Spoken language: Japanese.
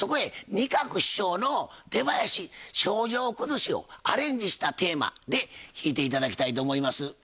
仁鶴師匠の出囃子「猩々くずし」をアレンジしたテーマで弾いて頂きたいと思います。